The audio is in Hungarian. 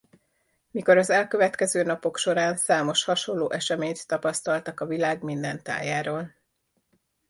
Mikor az elkövetkező napok során számos hasonló eseményt tapasztaltak a világ minden tájáról.